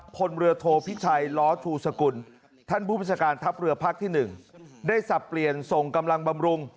พลเรือโทพิชัยล้อชูสกุลท่านผู้บัญชาการทัพเรือภาคที่๑ได้สับเปลี่ยนส่งกำลังบำรุง